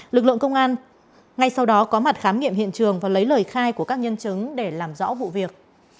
lực lượng công an ngay sau đó có mặt khám nghiệm hiện trường và lấy lời khai của các nhân chứng để làm rõ vụ việc